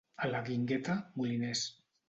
A la Guingueta, moliners.